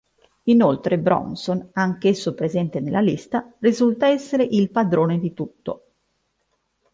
Inoltre "Bronson", anch'esso presente nella lista, risulta essere il padrone di tutto.